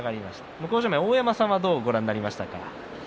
向正面の大山さんはどうご覧になりますか？